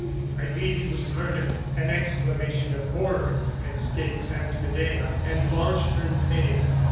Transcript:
"I believe he was murdered." An exclamation of horror escaped Aunt Medea, and Blanche turned pale.